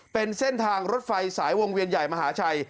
เป็นเส้นทางรถไฟสายวงเวียนใหญ่มหาชัย